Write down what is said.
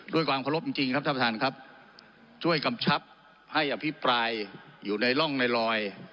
ด้วยความเคารพจริงจริงครับท่านประธานครับช่วยกำชับให้อภิปรายอยู่ในร่องในรอย